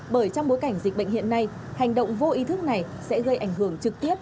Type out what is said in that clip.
bởi trong bối cảnh dịch bệnh hiện nay hành động vô ý thức này sẽ gây ảnh hưởng trực tiếp